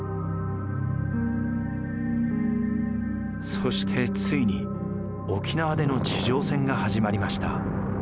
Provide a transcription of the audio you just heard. そしてついに沖縄での地上戦が始まりました。